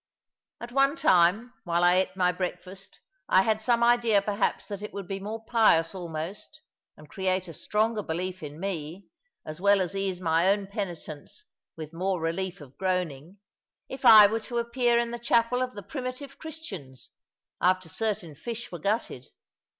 At one time, while I ate my breakfast, I had some idea perhaps that it would be more pious almost, and create a stronger belief in me, as well as ease my own penitence with more relief of groaning, if I were to appear in the chapel of the Primitive Christians, after certain fish were gutted.